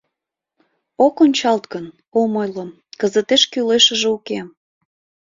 Ок ончалт гын, ом ойло, кызытеш кӱлешыже уке.